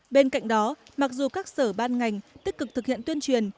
bên cạnh đó mặc dù các sở ban ngành tích cực thực hiện tuyên truyền